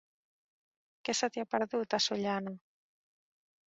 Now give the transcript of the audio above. Què se t'hi ha perdut, a Sollana?